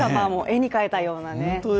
絵に描いたようなね。